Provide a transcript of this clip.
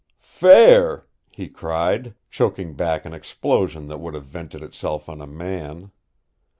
"Fair!" he cried, choking back an explosion that would have vented itself on a man.